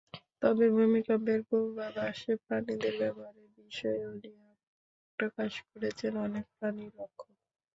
তবে ভূমিকম্পের পূর্বাভাসে প্রাণীদের ব্যবহারের বিষয়ে অনীহা প্রকাশ করেছেন অনেক প্রাণী রক্ষক।